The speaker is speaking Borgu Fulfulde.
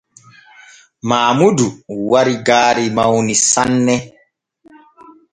Maamudu wari gaari mawni sanne.